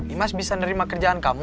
imas bisa nerima kerjaan kamu